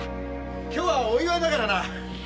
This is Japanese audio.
今日はお祝いだからなははっ。